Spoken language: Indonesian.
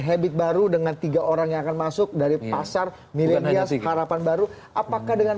habit baru dengan tiga orang yang akan masuk dari pasar milenial harapan baru apakah dengan